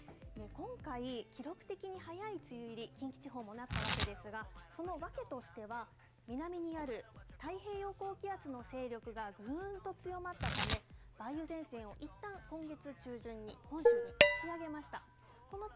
今回、記録的に早い梅雨入り、近畿地方もなったわけですが、その訳としては、南にある太平洋高気圧の勢力がぐーんと強まったため、梅雨前線をいったん、今月中旬に本州に押し上げました。